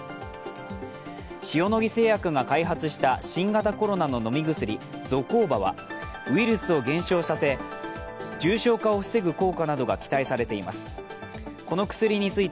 塩野義製薬が開発した新型コロナの飲み薬ゾコーバはウイルスを減少させ重症化を防ぐ効果などが期待されています。